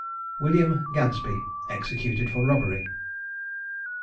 WILLIAM GADESBY, EXECUTED FOR ROBBERY.